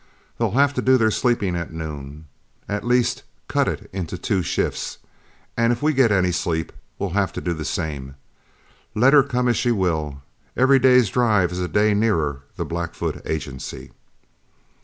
They'll have to do their sleeping at noon; at least cut it into two shifts, and if we get any sleep we'll have to do the same. Let her come as she will; every day's drive is a day nearer the Blackfoot agency."